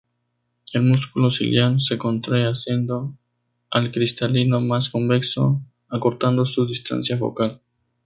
El músculo ciliar se contrae haciendo al cristalino más convexo, acortando su distancia focal.